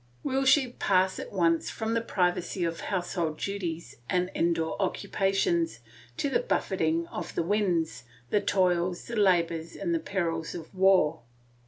Will she pass at once from the privacy of household duties and indoor occupations to the buffeting of the winds, the toils, the labours, the perils of war?